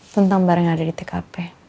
tentang barang yang ada di tkp